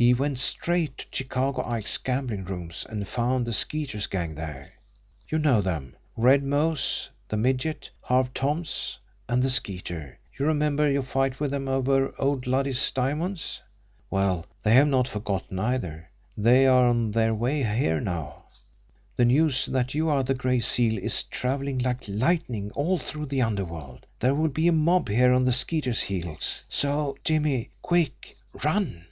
He went straight to Chicago Ike's gambling rooms and found the Skeeter's gang there you know them, Red Mose, the Midget, Harve Thoms, and the Skeeter you remember your fight with them over old Luddy's diamonds! Well, they have not forgotten, either! They are on their way here, now! The news that you are the Gray Seal is travelling like lightning all through the underworld there will be a mob here on the Skeeter's heels. So, Jimmie quick! Run!"